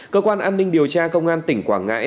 cơ quan an ninh điều tra công an tỉnh quảng ngãi